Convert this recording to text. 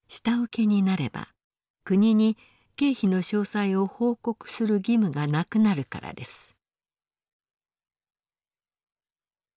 下請けになれば国に経費の詳細を報告する義務がなくなるからです。